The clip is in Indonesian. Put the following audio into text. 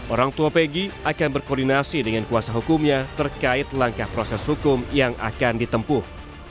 orang tua pegi akan berkoordinasi dengan kuasa hukumnya terkait langkah proses hukum yang akan ditempuh